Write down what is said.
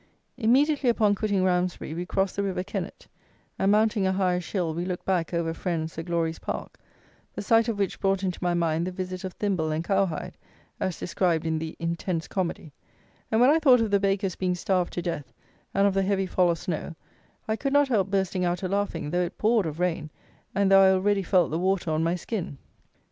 Immediately upon quitting Ramsbury, we crossed the River Kennet, and, mounting a highish hill, we looked back over friend Sir Glory's park, the sight of which brought into my mind the visit of Thimble and Cowhide, as described in the "intense comedy," and, when I thought of the "baker's being starved to death," and of the "heavy fall of snow," I could not help bursting out a laughing, though it poured of rain and though I already felt the water on my skin.